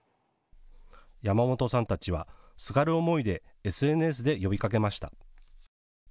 山本さんたちはすがる思いでＳＮＳで呼びかけました。